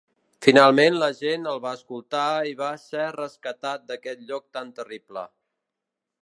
Finalment la gent el va escoltar i va ser rescatat d'aquest lloc tan terrible.